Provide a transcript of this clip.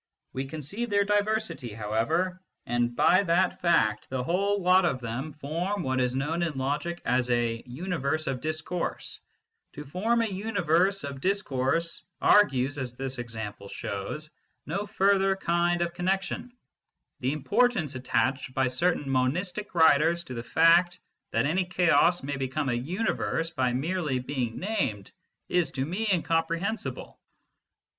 We conceive their diversity, however ; and by that 1 Some ProlUms of Philosophy, p 124. SCIENTIFIC METHOD IN PHILOSOPHY 101 fact the whole lot of them form what is known in logic as a universe of discourse/ To form a universe of discourse argues, as this example shows, no further kind of connexion. The importance attached by certain monistic writers to the fact that any chaos may become a universe by merely being named, is to me incomprehensible."